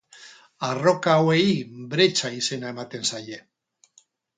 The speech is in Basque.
Arroka hauei bretxa izena ematen zaie.